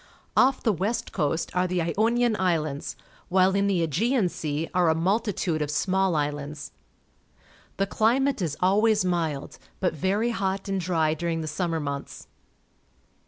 Off the west coast are the Ionian Islands, while in the Aegean Sea are a multitude of small islands. The climate is always mild, but very hot and dry diu'ing the summer months.